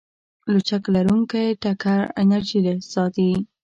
لچک لرونکی ټکر انرژي ساتي.